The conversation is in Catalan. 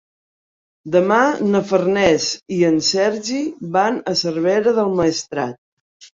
Demà na Farners i en Sergi van a Cervera del Maestrat.